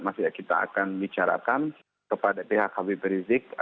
masih kita akan bicarakan kepada pihak habib rizik